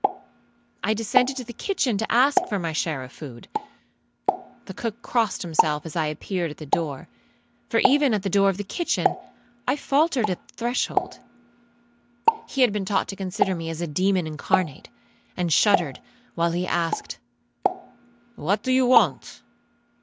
I descended to the kitchen to ask for my share of food. The cook crossed himself as I appeared at the door; for even at the door of the kitchen I faultered at the threshold. He had been taught to consider me as a demon incarnate, and shuddered, while he asked, 'What do you want?'